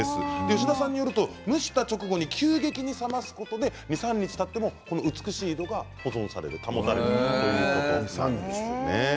吉田さんによりますと蒸した直後に急激に冷ますことで２、３日たっても美しい色が保たれるということです。